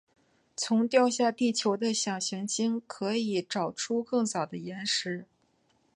从掉下地球的小行星可以找出更早的岩石。